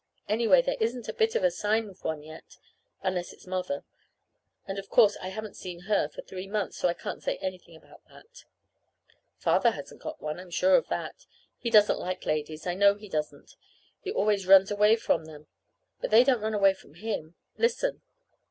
Anyway, there isn't a bit of a sign of one, yet, unless it's Mother. And of course, I haven't seen her for three months, so I can't say anything about that. Father hasn't got one. I'm sure of that. He doesn't like ladies. I know he doesn't. He always runs away from them. But they don't run away from him! Listen.